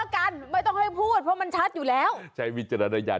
กันไม่ต้องให้พูดเพราะมันชัดอยู่แล้วใช้วิจารณญาณ